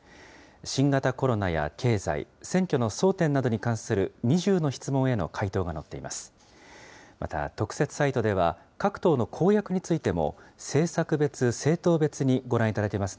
新型コロナや経済、選挙の争点などに関する２０の質問への回答が載っています。